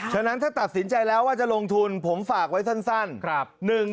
ฉะนั้นถ้าตัดสินใจแล้วว่าจะลงทุนผมฝากไว้สั้น